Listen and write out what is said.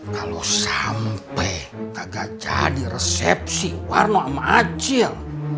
kalau sampe kagak jadi resepsi warno sama acil